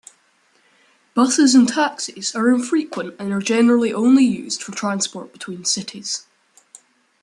Buses and taxis are infrequent and are generally used only for transport between cities.